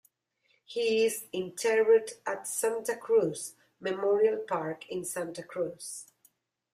He is interred at Santa Cruz Memorial Park in Santa Cruz.